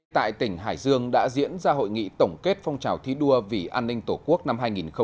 tại tỉnh hải dương đã diễn ra hội nghị tổng kết phong trào thi đua vì an ninh tổ quốc năm hai nghìn một mươi chín